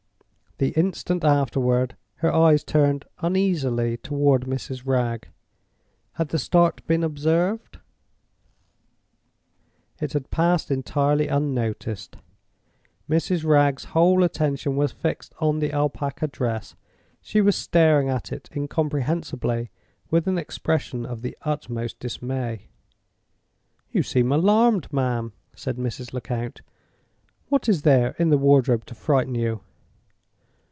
The instant afterward her eyes turned uneasily toward Mrs. Wragge. Had the start been observed? It had passed entirely unnoticed. Mrs. Wragge's whole attention was fixed on the Alpaca dress: she was staring at it incomprehensibly, with an expression of the utmost dismay. "You seem alarmed, ma'am," said Mrs. Lecount. "What is there in the wardrobe to frighten you?"